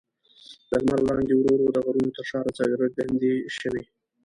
د لمر وړانګې ورو ورو د غرونو تر شا راڅرګندې شوې.